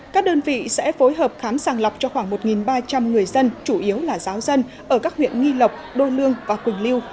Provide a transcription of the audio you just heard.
các đơn vị sẽ phối hợp khám sàng lọc cho khoảng một ba trăm linh người dân chủ yếu là giáo dân ở các huyện nghi lộc đô lương và quỳnh liêu